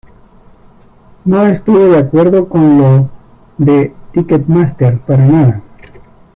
No estuve de acuerdo con lo de Ticketmaster para nada.